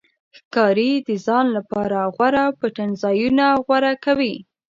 ښکاري د ځان لپاره غوره پټنځایونه غوره کوي.